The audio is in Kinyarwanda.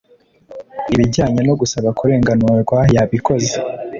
ibijyanye no gusaba kurenganurwa yabikoze